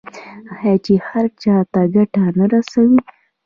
آیا چې هر چا ته ګټه نه رسوي؟